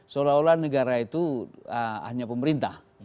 seolah olah negara itu hanya pemerintah